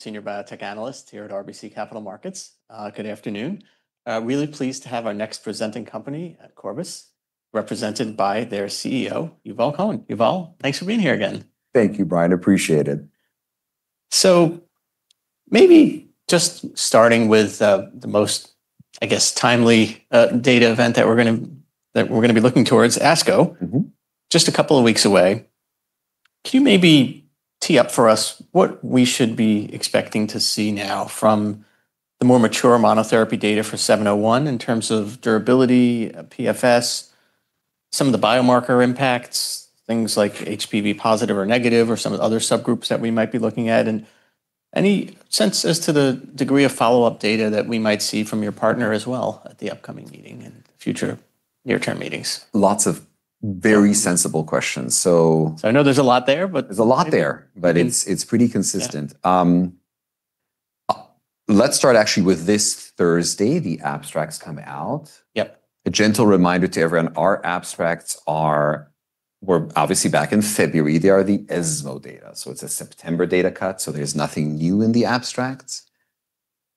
Senior Biotech Analyst here at RBC Capital Markets. Good afternoon. Really pleased to have our next presenting company at Corbus, represented by their CEO, Yuval Cohen. Yuval, thanks for being here again. Thank you, Brian. Appreciate it. Maybe just starting with, the most, I guess, timely, data event that we're gonna be looking towards, ASCO. Just a couple of weeks away. Can you maybe tee up for us what we should be expecting to see now from the more mature monotherapy data for seven zero one in terms of durability, PFS, some of the biomarker impacts, things like HPV positive or negative or some of the other subgroups that we might be looking at? Any sense as to the degree of follow-up data that we might see from your partner as well at the upcoming meeting and future near-term meetings? Lots of very sensible questions. I know there's a lot there. There's a lot there, but it's pretty consistent. Let's start actually with this Thursday, the abstracts come out. Yep. A gentle reminder to everyone, our abstracts were obviously back in February. They are the ESMO data, it's a September data cut, so there's nothing new in the abstracts.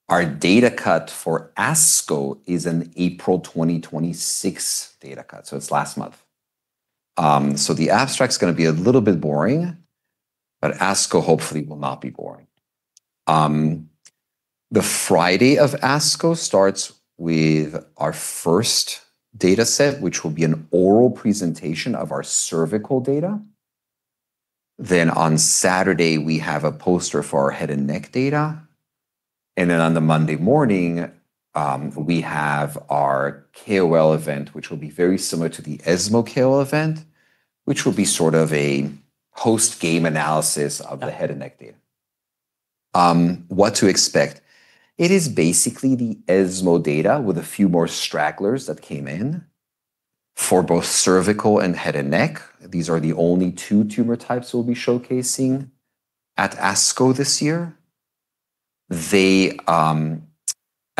Our data cut for ASCO is an April 2026 data cut, so it's last month. The abstract's gonna be a little bit boring, but ASCO hopefully will not be boring. The Friday of ASCO starts with our first data set, which will be an oral presentation of our cervical data. On Saturday we have a poster for our head and neck data, on the Monday morning, we have our KOL event, which will be very similar to the ESMO KOL event, which will be sort of a post-game analysis of the head and neck data. What to expect? It is basically the ESMO data with a few more stragglers that came in for both cervical and head and neck. These are the only two tumor types we'll be showcasing at ASCO this year. They,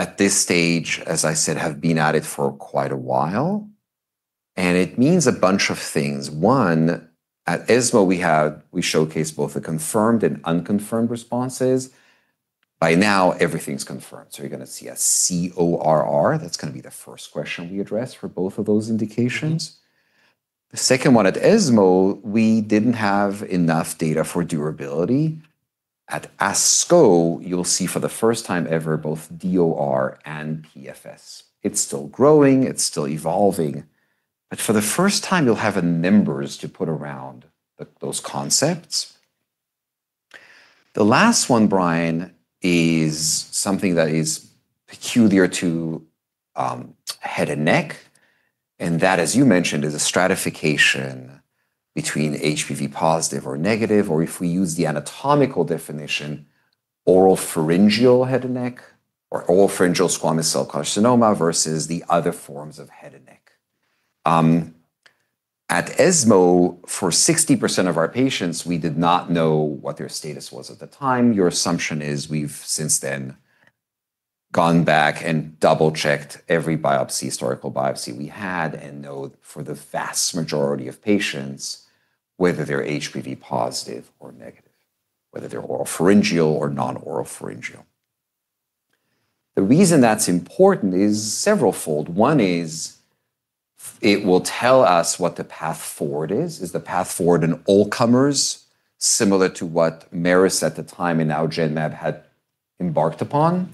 at this stage, as I said, have been at it for quite a while, and it means a bunch of things. One, at ESMO we showcased both the confirmed and unconfirmed responses. By now everything's confirmed, so you're gonna see a cORR. That's gonna be the first question we address for both of those indications. The second one at ESMO, we didn't have enough data for durability. At ASCO, you'll see for the first time ever both DOR and PFS. It's still growing, it's still evolving. For the first time you'll have numbers to put around those concepts. The last one, Brian, is something that is peculiar to head and neck. That, as you mentioned, is a stratification between HPV positive or negative, or if we use the anatomical definition, oropharyngeal head and neck or oropharyngeal squamous cell carcinoma versus the other forms of head and neck. At ESMO, for 60% of our patients, we did not know what their status was at the time. Your assumption is we've since then gone back and double-checked every biopsy, historical biopsy we had, and know for the vast majority of patients whether they're HPV positive or negative, whether they're oropharyngeal or non-oropharyngeal. The reason that's important is several fold. One is it will tell us what the path forward is. Is the path forward in all comers similar to what Merus at the time and now Genmab had embarked upon?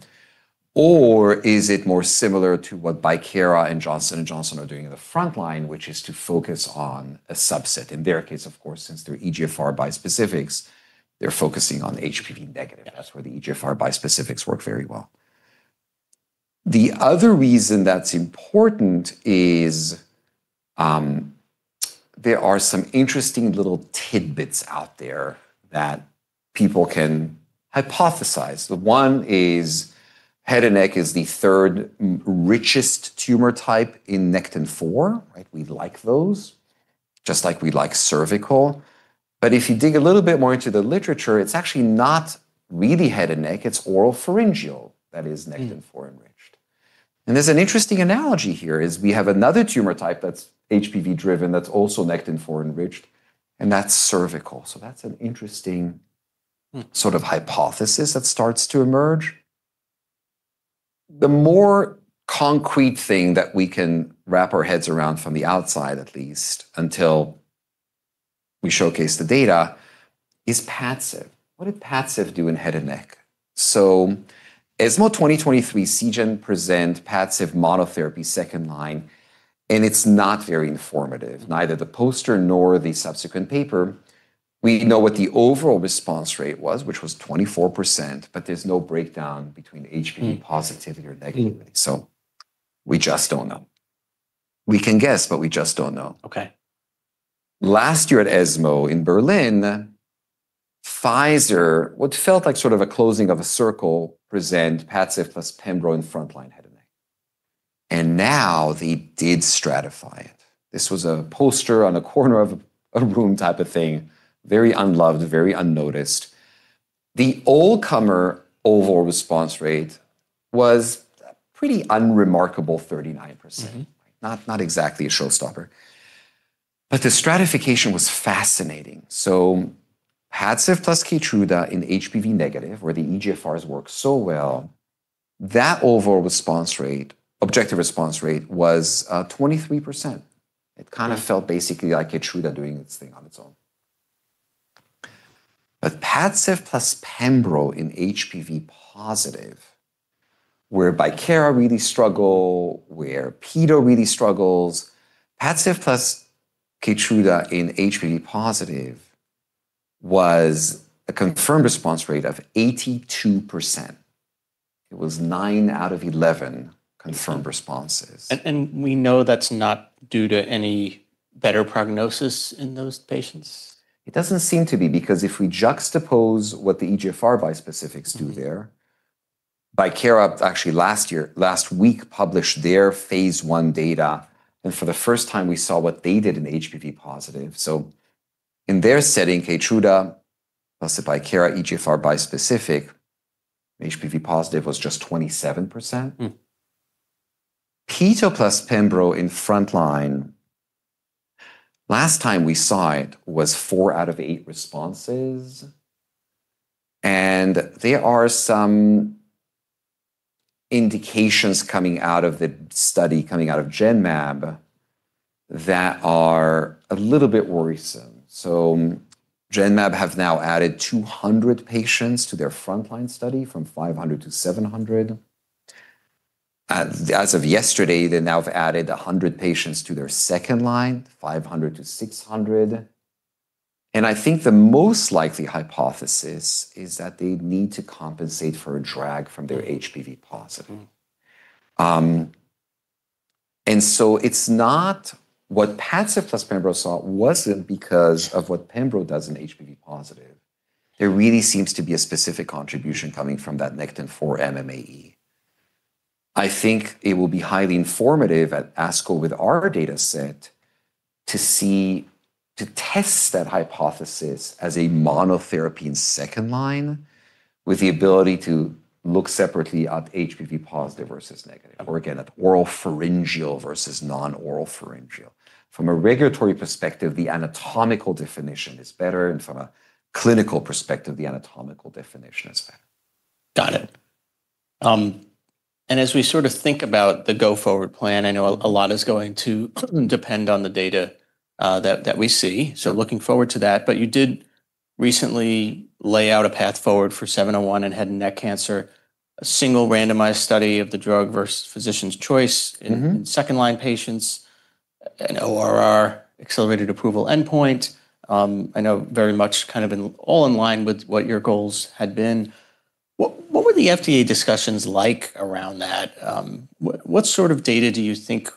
Is it more similar to what Bicara and Johnson & Johnson are doing in the front line, which is to focus on a subset? In their case, of course, since they're EGFR bispecifics, they're focusing on HPV negative. That's where the EGFR bispecifics work very well. The other reason that's important is, there are some interesting little tidbits out there that people can hypothesize. One is head and neck is the third richest tumor type in Nectin-4, right? We like those, just like we like cervical. If you dig a little bit more into the literature, it's actually not really head and neck, it's oropharyngeal that is Nectin-4 enriched. There's an interesting analogy here, is we have another tumor type that's HPV driven that's also Nectin-4 enriched, and that's cervical. That's an interesting sort of hypothesis that starts to emerge. The more concrete thing that we can wrap our heads around from the outside, at least until we showcase the data, is PADCEV. What did PADCEV do in head and neck? ESMO 2023 Seagen present PADCEV monotherapy second line, it's not very informative, neither the poster nor the subsequent paper. We know what the overall response rate was, which was 24%, but there's no breakdown between HPV positive or negative. We just don't know. We can guess, but we just don't know. Okay. Last year at ESMO in Berlin, Pfizer, what felt like sort of a closing of a circle, present PADCEV plus pembrolizumab in front line head and neck. Now they did stratify it. This was a poster on a corner of a room type of thing. Very unloved, very unnoticed. The all-comer overall response rate was pretty unremarkable 39%. Not exactly a showstopper. The stratification was fascinating. PADCEV plus Keytruda in HPV negative, where the EGFRs work so well, that overall response rate, objective response rate was 23%. It kind of felt basically like Keytruda doing its thing on its own. PADCEV plus pembro in HPV positive, where Bicara really struggle, where peto really struggles, PADCEV plus Keytruda in HPV positive was a confirmed response rate of 82%. It was nine out of 11 confirmed responses. We know that's not due to any better prognosis in those patients? It doesn't seem to be, because if we juxtapose what the EGFR bispecifics do there, Bicara actually last week published their phase I data, and for the first time we saw what they did in HPV positive. In their setting, Keytruda plus the Bicara EGFR bispecific, HPV positive was just 27%. Peto plus pembrolizumab in frontline, last time we saw it was four out of eight responses. There are some indications coming out of the study, coming out of Genmab, that are a little bit worrisome. Genmab have now added 200 patients to their frontline study from 500 to 700. As of yesterday, they now have added 100 patients to their second line, 500 to 600. I think the most likely hypothesis is that they need to compensate for a drag from their HPV positive. It's not what PADCEV plus pembrolizumab saw wasn't because of what pembrolizumab does in HPV positive. There really seems to be a specific contribution coming from that Nectin-4 MMAE. I think it will be highly informative at ASCO with our data set to see, to test that hypothesis as a monotherapy in second line with the ability to look separately at HPV positive versus negative, or again, at oropharyngeal versus non-oropharyngeal. From a regulatory perspective, the anatomical definition is better. From a clinical perspective, the anatomical definition is better. Got it. As we sort of think about the go forward plan, I know a lot is going to depend on the data that we see. Looking forward to that, you did recently lay out a path forward for CRB-701 in head and neck cancer, a single randomized study of the drug versus physician's choice. In 2nd line patients, an ORR accelerated approval endpoint. I know very much kind of in, all in line with what your goals had been. What were the FDA discussions like around that? What sort of data do you think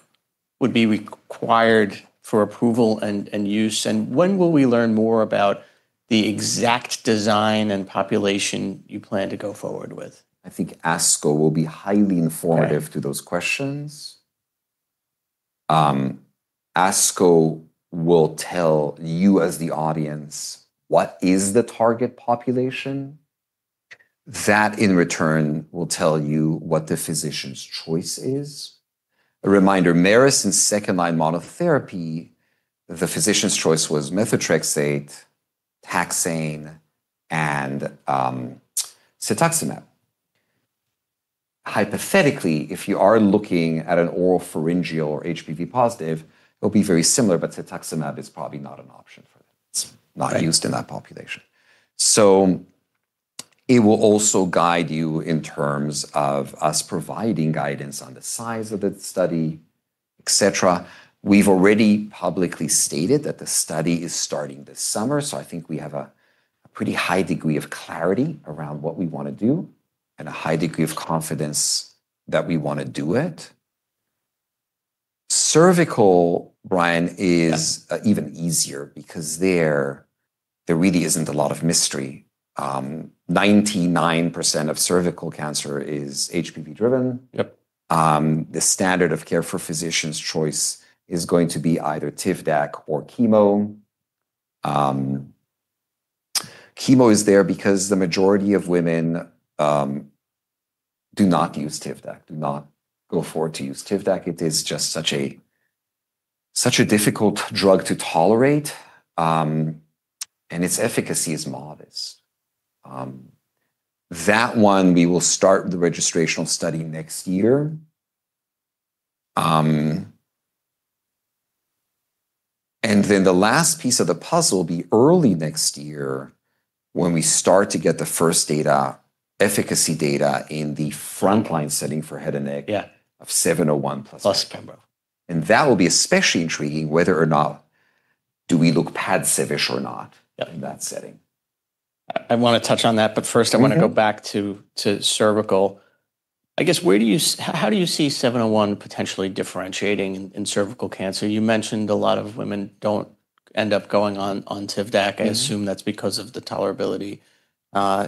would be required for approval and use, and when will we learn more about the exact design and population you plan to go forward with? I think ASCO will be highly informative to those questions. ASCO will tell you as the audience, what is the target population. That, in return, will tell you what the physician's choice is. A reminder, MacroGenics in second-line monotherapy, the physician's choice was methotrexate, taxane, and cetuximab. Hypothetically, if you are looking at an oropharyngeal or HPV positive, it'll be very similar, but cetuximab is probably not an option for that. It's not used in that population. It will also guide you in terms of us providing guidance on the size of the study, et cetera. We've already publicly stated that the study is starting this summer, I think we have a pretty high degree of clarity around what we wanna do and a high degree of confidence that we wanna do it. Cervical, Brian is even easier because there really isn't a lot of mystery. 99% of cervical cancer is HPV driven. Yep. The standard of care for physician's choice is going to be either Tivdak or chemo. Chemo is there because the majority of women do not use Tivdak, do not go forward to use Tivdak. It is just such a difficult drug to tolerate, and its efficacy is modest. That one we will start the registrational study next year. The last piece of the puzzle will be early next year when we start to get the first data, efficacy data in the frontline setting for head and neck of CRB-701 plus pembro. Plus pembrolizumab. That will be especially intriguing whether or not do we look PADCEV-ish or not in that setting. I wanna touch on that, but first I wanna go back to cervical. How do you see 701 potentially differentiating in cervical cancer? You mentioned a lot of women don't end up going on Tivdak. I assume that's because of the tolerability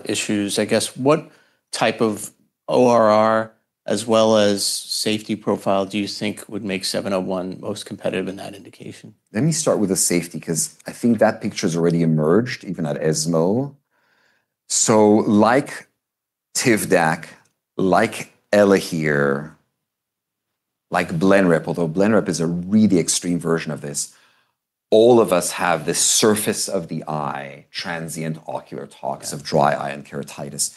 issues. I guess, what type of ORR as well as safety profile do you think would make 701 most competitive in that indication? Let me start with the safety, 'cause I think that picture's already emerged even at ESMO. Like TIVDAK, like ELAHERE, like BLENREP, although BLENREP is a really extreme version of this, all of us have the surface of the eye transient ocular tox of dry eye and keratitis.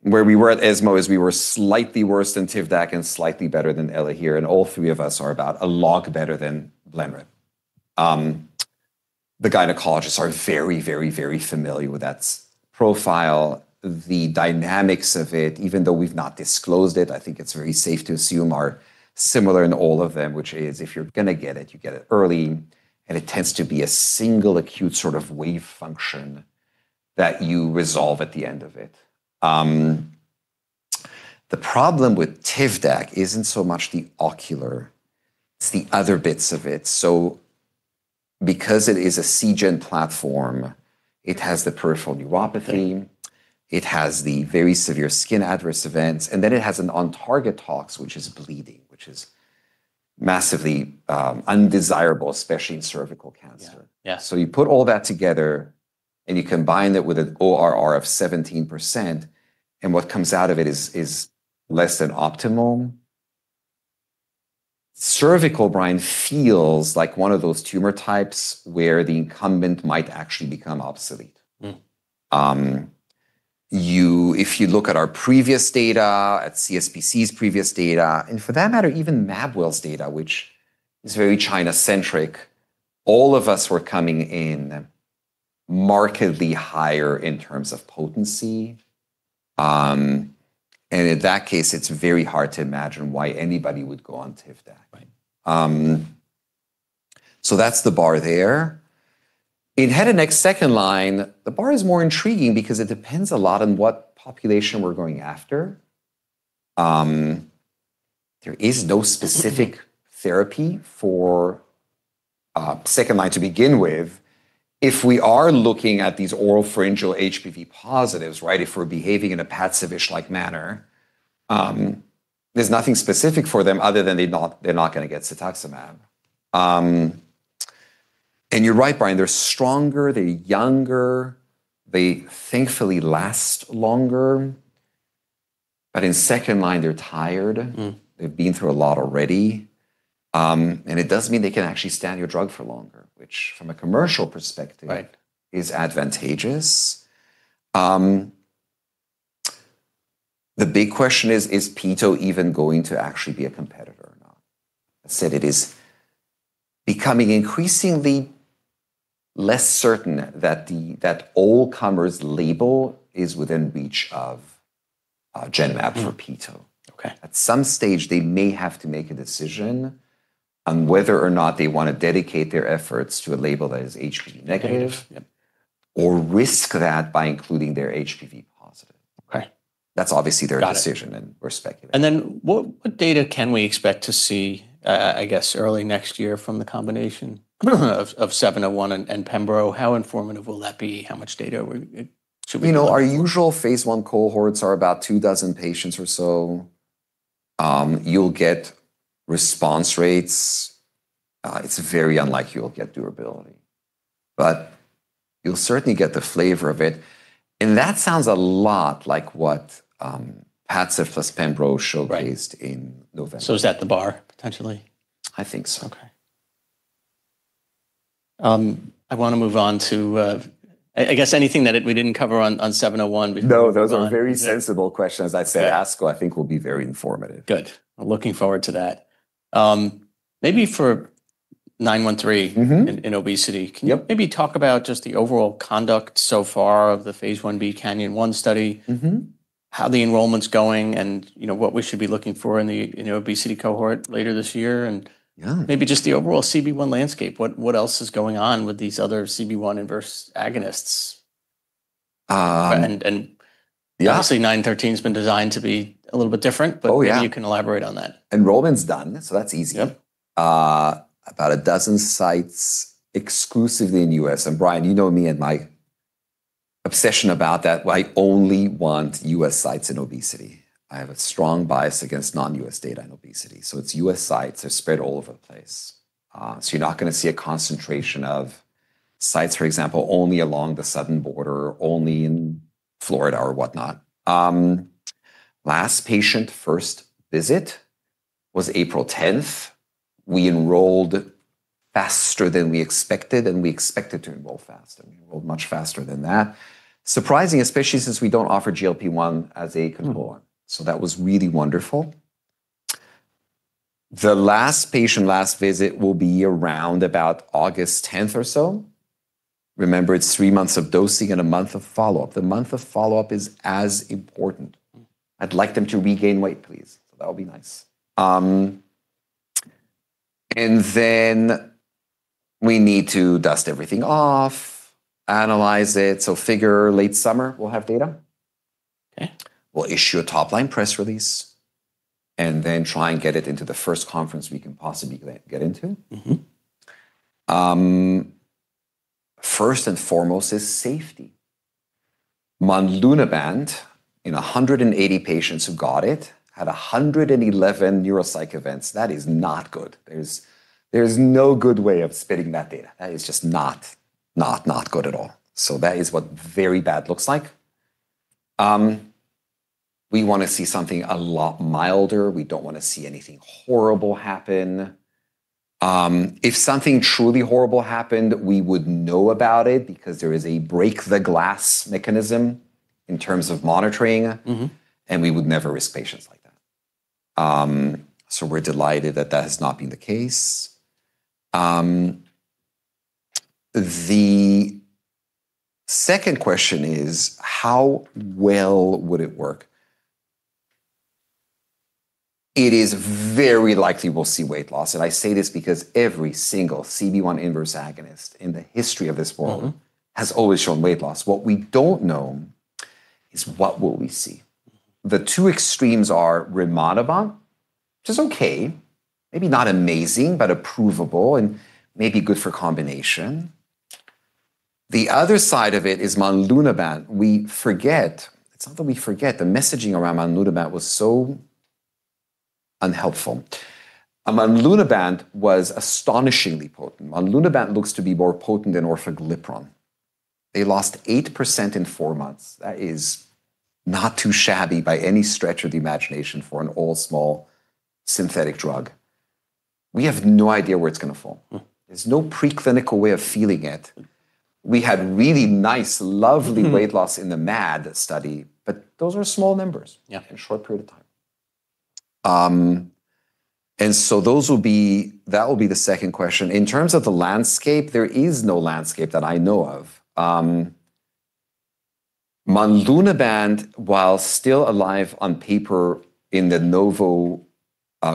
Where we were at ESMO is we were slightly worse than TIVDAK and slightly better than ELAHERE, and all three of us are about a log better than BLENREP. The gynecologists are very, very, very familiar with that profile. The dynamics of it, even though we've not disclosed it, I think it's very safe to assume are similar in all of them, which is if you're gonna get it, you get it early, and it tends to be a single acute sort of wave function that you resolve at the end of it. The problem with TIVDAK isn't so much the ocular, it's the other bits of it. Because it is a Seagen platform, it has the peripheral neuropathy, it has the very severe skin adverse events, and then it has an on-target tox, which is bleeding, which is massively undesirable, especially in cervical cancer. Yeah. You put all that together and you combine it with an ORR of 17%. What comes out of it is less than optimal. Cervical, Brian, feels like one of those tumor types where the incumbent might actually become obsolete. If you look at our previous data, at CSPC's previous data, for that matter, even Mabwell's data, which is very China-centric, all of us were coming in markedly higher in terms of potency. In that case, it's very hard to imagine why anybody would go on TIVDAK. Right. That's the bar there. In head and neck second line, the bar is more intriguing because it depends a lot on what population we're going after. There is no specific therapy for second line to begin with. If we are looking at these oropharyngeal HPV positives, right, if we're behaving in a PADCEV-like manner, there's nothing specific for them other than they're not gonna get cetuximab. You're right, Brian, they're stronger, they're younger, they thankfully last longer. In second line, they're tired. They've been through a lot already. It does mean they can actually stand your drug for longer, which from a commercial perspective is advantageous. The big question is peto even going to actually be a competitor or not? I said it is becoming increasingly less certain that that all comers label is within reach of Genmab for peto. Okay. At some stage, they may have to make a decision on whether or not they wanna dedicate their efforts to a label that is HPV negative. Negative. Yep. risk that by including their HPV positive. Okay. That's obviously their decision. Got it. We're speculating. Then what data can we expect to see, I guess early next year from the combination of CRB-701 and pembro? How informative will that be? How much data we should we be looking for? You know, our usual phase I cohorts are about two dozen patients or so. You'll get response rates. It's very unlikely you'll get durability, but you'll certainly get the flavor of it. That sounds a lot like what PADCEV plus pembrolizumab showcased in November. Right. Is that the bar potentially? I think so. Okay. I wanna move on to, I guess anything that we didn't cover on CRB-701 before we move on? No, those are very sensible questions I'd say ask, I think will be very informative. Good. I'm looking forward to that. Maybe for 913 in obesity. Yep. Can you maybe talk about just the overall conduct so far of the phase I-B CANYON study? How the enrollment's going and, you know, what we should be looking for in the, in the obesity cohort later this year, maybe just the overall CB1 landscape. What else is going on with these other CB1 inverse agonists? And obviously CRB-913's been designed to be a little bit different. Oh, yeah. Maybe you can elaborate on that. Enrollment's done, so that's easy. Yep. About 12 sites exclusively in U.S. Brian, you know me and my obsession about that. I only want U.S. sites in obesity. I have a strong bias against non-U.S. data in obesity, so it's U.S. sites. They're spread all over the place. You're not gonna see a concentration of sites, for example, only along the southern border, only in Florida or whatnot. Last patient first visit was April 10th. We enrolled faster than we expected, and we expected to enroll fast, and we enrolled much faster than that. Surprising, especially since we don't offer GLP-1 as a control. That was really wonderful. The last patient last visit will be around about August 10th or so. Remember, it's 3 months of dosing and a month of follow-up. The month of follow-up is as important. I'd like them to regain weight, please. That'll be nice. We need to dust everything off, analyze it. Figure late summer we'll have data. Okay. We'll issue a top-line press release and then try and get it into the first conference we can possibly get into. First and foremost is safety. monlunabant in 180 patients who got it, had 111 neuropsych events. That is not good. There's no good way of spinning that data. That is just not good at all. That is what very bad looks like. We wanna see something a lot milder. We don't wanna see anything horrible happen. If something truly horrible happened, we would know about it because there is a break-the-glass mechanism in terms of monitoring. We would never risk patients like that. We're delighted that that has not been the case. The second question is, how well would it work? It is very likely we'll see weight loss, and I say this because every single CB1 inverse agonist in the history of this world. has always shown weight loss. What we don't know is what will we see. The two extremes are rimonabant, which is okay. Maybe not amazing, but approvable, and maybe good for combination. The other side of it is otenabant. It's not that we forget. The messaging around otenabant was so unhelpful. Otenabant was astonishingly potent. Otenabant looks to be more potent than orforglipron. They lost 8% in 4 months. That is not too shabby by any stretch of the imagination for an all small synthetic drug. We have no idea where it's gonna fall. There's no preclinical way of feeling it. We had really nice weight loss in the MAD study, but those are small numbers in a short period of time. That will be the second question. In terms of the landscape, there is no landscape that I know of, monlunabant, while still alive on paper in the Novo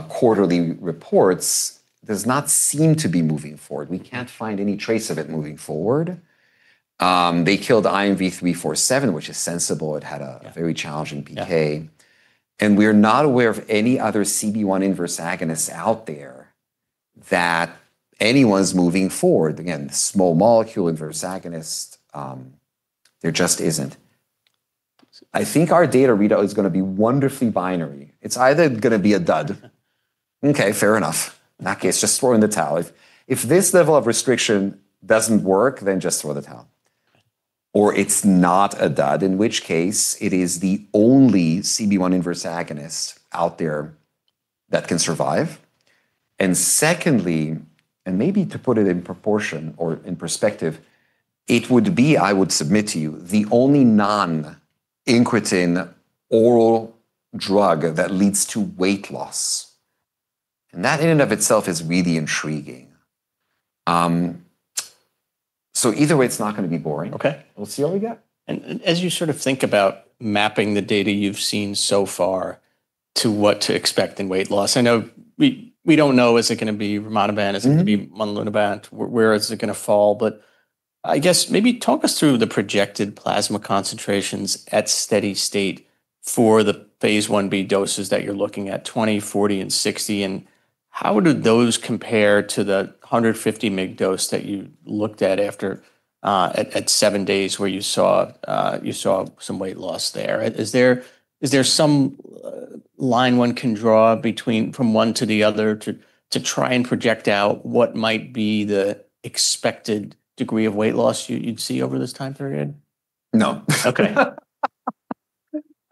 quarterly reports, does not seem to be moving forward. We can't find any trace of it moving forward. They killed INV-347, which is sensible, had a very challenging PK. Yeah. We're not aware of any other CB1 inverse agonists out there that anyone's moving forward. Small molecule inverse agonist, there just isn't. I think our data read out is gonna be wonderfully binary. It's either gonna be a dud. Okay, fair enough. In that case, just throw in the towel. If this level of restriction doesn't work, then just throw the towel. It's not a dud, in which case it is the only CB1 inverse agonist out there that can survive. Secondly, and maybe to put it in proportion or in perspective, it would be, I would submit to you, the only non-incretin oral drug that leads to weight loss, and that in and of itself is really intriguing. Either way, it's not gonna be boring. Okay. We'll see what we get. As you sort of think about mapping the data you've seen so far to what to expect in weight loss, I know we don't know is it gonna be rimonabant is it gonna be otenabant, where is it gonna fall? I guess maybe talk us through the projected plasma concentrations at steady state for the phase I-B doses that you're looking at, 20, 40, and 60, and how do those compare to the 150 mg dose that you looked at after, at seven days where you saw, you saw some weight loss there? Is there, is there some line one can draw between from one to the other to try and project out what might be the expected degree of weight loss you'd see over this time period? No. Okay.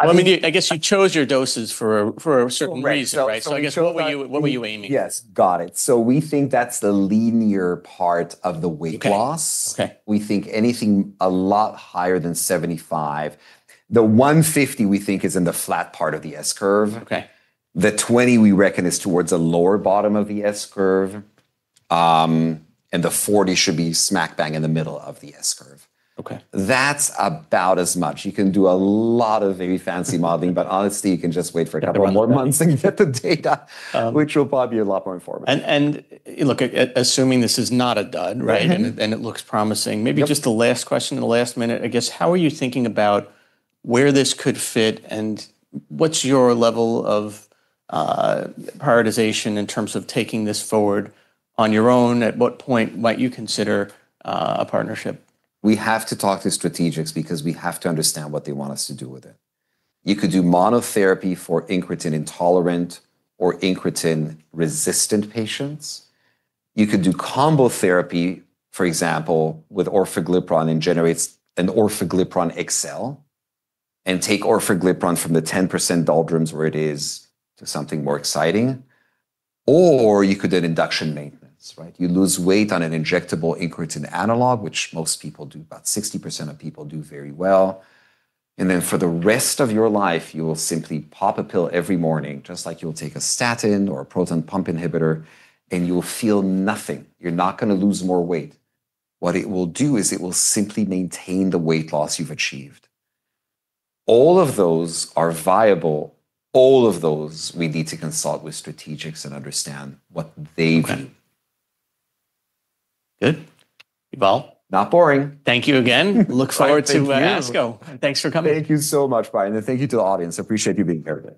I mean, I guess you chose your doses for a certain reason, right? Right. I guess so. I guess, what were you aiming? Yes. Got it. We think that's the linear part of the weight loss. Okay. We think anything a lot higher than 75. The 150 we think is in the flat part of the S-curve. Okay. The 20 we reckon is towards the lower bottom of the S-curve. The 40 should be smack bang in the middle of the S-curve. Okay. That's about as much. You can do a lot of very fancy modeling, but honestly, you can just wait for a couple more months and get the data which will probably be a lot more informative. Look, assuming this is not a dud, right? It looks promising. Yep. Maybe just the last question in the last minute, I guess, how are you thinking about where this could fit, and what's your level of prioritization in terms of taking this forward on your own? At what point might you consider a partnership? We have to talk to strategics because we have to understand what they want us to do with it. You could do monotherapy for incretin intolerant or incretin resistant patients. You could do combo therapy, for example, with orforglipron and generates an orforglipron XL, and take orforglipron from the 10% doldrums where it is to something more exciting. You could do induction maintenance, right? You lose weight on an injectable incretin analog, which most people do, about 60% of people do very well. Then for the rest of your life, you will simply pop a pill every morning, just like you'll take a statin or a proton pump inhibitor, and you'll feel nothing. You're not gonna lose more weight. What it will do is it will simply maintain the weight loss you've achieved. All of those are viable. All of those we need to consult with strategics and understand what they do. Okay. Good. Yuval. Not boring. Thank you again. Thank you. Look forward to ASCO. Thanks for coming. Thank you so much, Brian. Thank you to the audience. I appreciate you being here today.